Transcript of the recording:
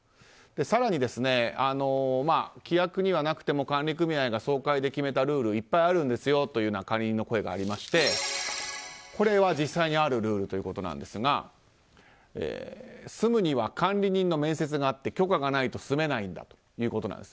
更に、規約にはなくても管理組合が総会で決めたルールがいっぱいあるんですよという管理人の声がありましてこれは実際にあるルールということなんですが住むには管理人の面接があって許可がないと住めないんだということです。